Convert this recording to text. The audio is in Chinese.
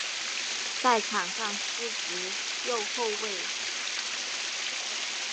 在场上司职右后卫。